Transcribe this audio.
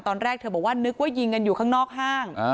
ตอนแรกเธอบอกว่านึกว่ายิงกันอยู่ข้างนอกห้าง